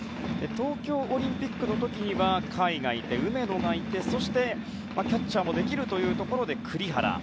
東京オリンピックの時は甲斐がいて梅野がいてキャッチャーもできるところで栗原。